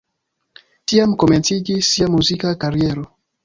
Tiam komenciĝis sia muzika kariero.